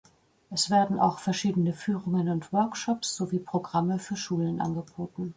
Es werden auch verschiedene Führungen und Workshops sowie Programme für Schulen angeboten.